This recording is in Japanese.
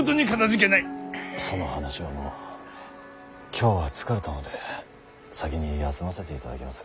今日は疲れたので先に休ませていただきます。